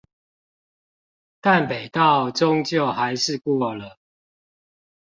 淡北道終究還是過了